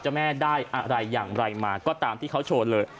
แม่ได้อะไรอย่างไรมาก็ตามที่เขาโชว์เลย